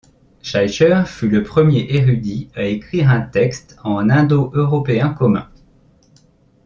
Scheicher fut le premier érudit à écrire un texte en indo-européen commun.